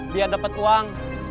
biar dapat uang